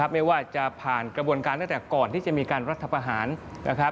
ไม่ว่าจะผ่านกระบวนการตั้งแต่ก่อนที่จะมีการรัฐภาษณ์